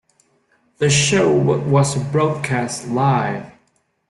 The show was broadcast live.